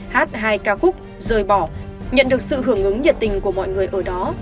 hát hai ca khúc rời bỏ nhận được sự hưởng ứng nhiệt tình của mọi người ở đó